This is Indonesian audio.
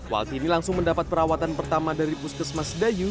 waltini langsung mendapat perawatan pertama dari puskesmas dayu